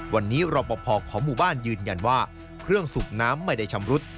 วันนี้รอปภของหมู่บ้านยืนยันว่าเครื่องสูบน้ำไม่ได้ชำรุด